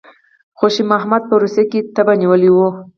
خوشي محمد په روسیې کې تبه نیولی وو.